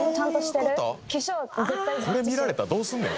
これ見られたらどうすんねん。